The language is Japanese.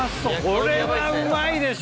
これはうまいでしょ！